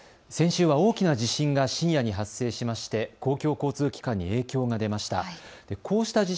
先週は大きな地震が深夜に発生しまして公共交通機関に影響が出ました。